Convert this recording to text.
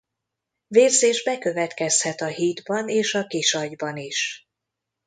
Vérzés bekövetkezhet a hídban és a kisagyban is.